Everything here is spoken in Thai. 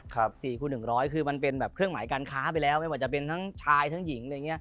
๔คู่๑๐๐คือมันเป็นเครื่องหมายการค้าไปแล้วไม่ว่าจะเป็นทั้งชายทั้งหญิง